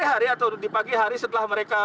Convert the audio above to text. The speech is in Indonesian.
di hari atau di pagi hari setelah mereka